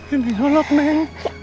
ini ngeluk men